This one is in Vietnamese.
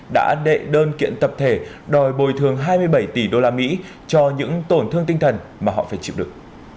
đã đệ đơn kiện tập thể đòi bồi thường hai mươi bảy tỷ usd cho những tổn thương tinh thần mà họ phải chịu được